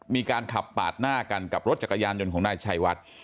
มีการขับปาดหน้ากันกับรถจักรยานยนต์ของนายชัยวัด